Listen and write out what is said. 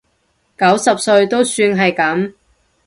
九十歲都算係噉